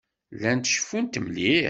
Llant ceffunt mliḥ.